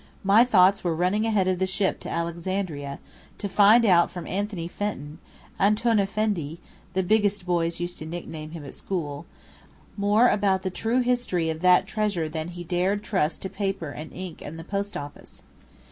My thoughts were running ahead of the ship to Alexandria, to find out from Anthony Fenton ("Antoun Effendi" the biggest boys used to nickname him at school) more about the true history of that treasure than he dared trust to paper and ink and the post office.